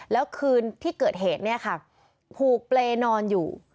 แล้วคืนที่เกิดเหตุเนี่ยค่ะผูกเปรย์นอนอยู่